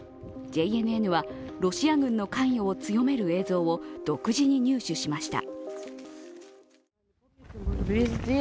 ＪＮＮはロシア軍の関与を強める映像を独自に入手しました。